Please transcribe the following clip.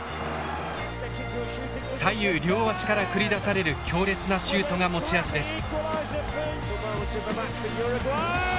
左右両足から繰り出される強烈なシュートが持ち味です。